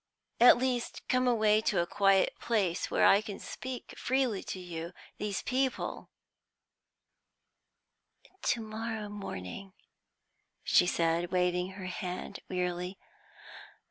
At least come away to a quiet place, where I can speak freely to you; these people " "To morrow morning," she said, waving her hand wearily.